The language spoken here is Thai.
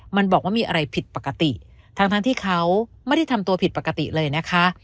มันบอกว่ามีอะไรผิดปกติทั้งที่เขาไม่ได้ทำตัวผิดปกติเลยนะคะ